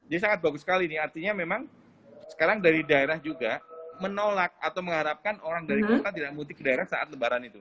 jadi sangat bagus sekali ini artinya memang sekarang dari daerah juga menolak atau mengharapkan orang dari kota tidak mudik ke daerah saat lebaran itu